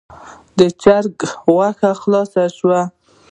د چرګ غوښه خلاصه شوه.